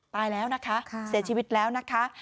ตายแล้วนะคะเสียชีวิตแล้วนะคะ